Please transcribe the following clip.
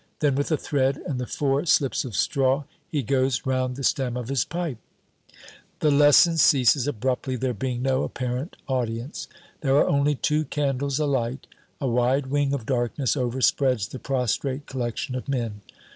Then with a thread and the four slips of straw, he goes round the stem of his pipe " The lesson ceases abruptly, there being no apparent audience. There are only two candles alight. A wide wing of darkness overspreads the prostrate collection of men.